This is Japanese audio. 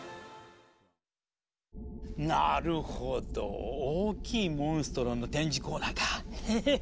なるほど大きいモンストロの展示コーナーか。